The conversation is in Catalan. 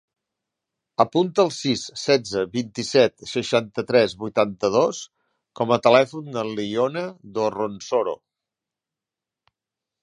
Apunta el sis, setze, vint-i-set, seixanta-tres, vuitanta-dos com a telèfon de l'Iona Dorronsoro.